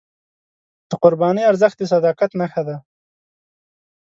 د قربانۍ ارزښت د صداقت نښه ده.